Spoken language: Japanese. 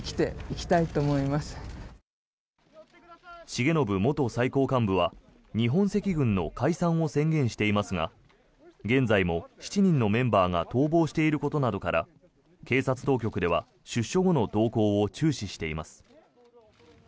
重信元最高幹部は日本赤軍の解散を宣言していますが現在も７人のメンバーが逃亡していることなどから警察当局では出所後の動向を注視しています。